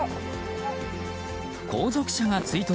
後続車が追突。